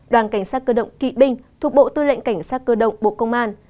đoàn cảnh sát cơ động kỵ binh thuộc bộ tư lệnh cảnh sát cơ động bộ công an